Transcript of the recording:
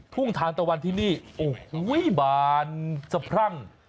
ทุ่งทานตะวันที่นี่โอ้โหบานสะพรั่ง